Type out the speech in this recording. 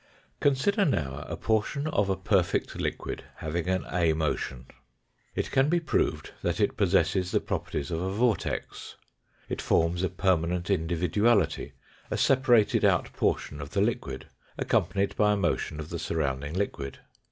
Consider now a portion of a perfect liquid having an A motion. It can be proved that it possesses the properties of a vortex. It forms a permanent individuality a separated out portion of the liquid accompanied by a motion of the surrounding liquid.